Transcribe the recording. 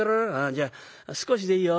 じゃあ少しでいいよ。